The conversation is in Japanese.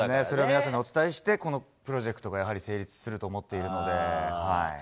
それを皆さんにお伝えしてこのプロジェクトが成立すると思っているので。